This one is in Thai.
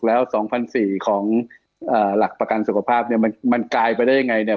แล้ว๒๔๐๐ของหลักประกันสุขภาพเนี่ยมันกลายไปได้ยังไงเนี่ย